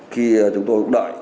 khi chúng tôi đợi